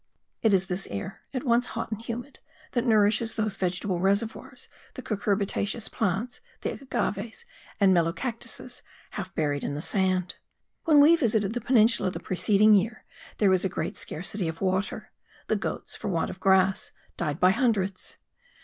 It is this air, at once hot and humid, that nourishes those vegetable reservoirs, the cucurbitaceous plants, the agaves and melocactuses half buried in the sand. When we visited the peninsula the preceding year there was a great scarcity of water; the goats for want of grass died by hundreds.